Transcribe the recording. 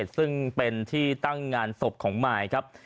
ซึ่งเป็นที่ตั้งงานศพของมายครับ